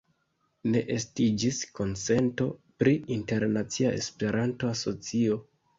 Ne estiĝis konsento pri internacia Esperanto-asocio.